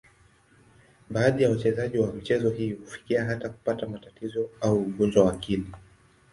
Baadhi ya wachezaji wa michezo hii hufikia hata kupata matatizo au ugonjwa wa akili.